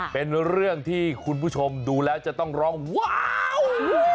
เป็นเรื่องที่คุณผู้ชมดูแล้วจะต้องร้องว้าว